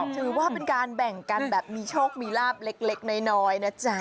ถือว่าเป็นการแบ่งกันแบบมีโชคมีลาบเล็กน้อยนะจ๊ะ